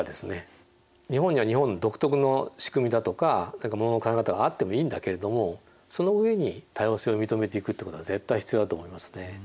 日本には日本独特の仕組みだとかものの考え方があってもいいんだけれどもその上に多様性を認めていくということが絶対必要だと思いますね。